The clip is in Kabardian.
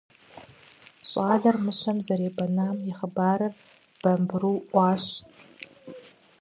ЩӀалэр мыщэм зэребэнам и хъыбарыр бамбыру Ӏуащ.